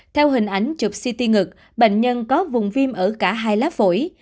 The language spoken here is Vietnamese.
theo hình ảnh chụp ct ngực bệnh nhân có vùng viêm ở cả hai lá phổi